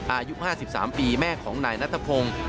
อายุ๕๓ปีแม่ของนายนัทพงศ์